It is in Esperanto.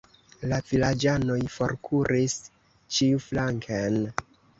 La vilaĝanoj forkuris ĉiuflanken.